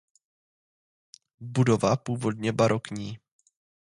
Budova původně barokní.